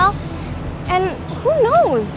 and i think mel juga ngerasa nangis